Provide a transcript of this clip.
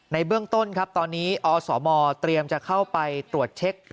เบื้องต้นครับตอนนี้อสมเตรียมจะเข้าไปตรวจเช็ค